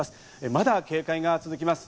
まだ警戒が続きます。